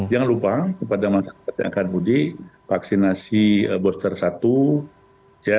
jangan lupa kepada masyarakat yang akan mudik vaksinasi booster satu ya